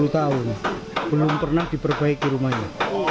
dua puluh tahun belum pernah diperbaiki rumahnya